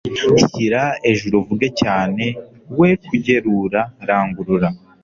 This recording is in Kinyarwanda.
shyira ejuru uvuge cyane wekugerura, rangurura